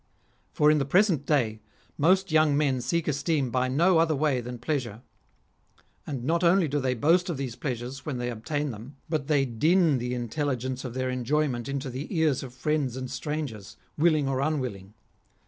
For in the present day most young men seek esteem by no other way than pleasure. And not only do they boast of these pleasures when they obtain them, but they din the intelligence of their enjoyment into the ears of friends and strangrers, willinc^ or unwill ing.